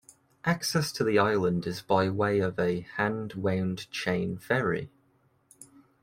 Access to the island is by way of a hand wound chain ferry.